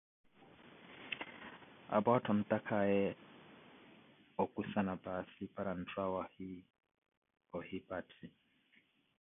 Apo atthu antakhakaye okwisana paasi para ntthu awaahi ohipathi.